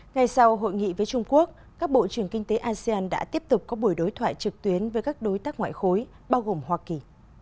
ngay sau hội nghị với trung quốc các bộ trưởng kinh tế asean đã tiếp tục có buổi đối thoại trực tuyến với các đối tác ngoại khối bao gồm hoa kỳ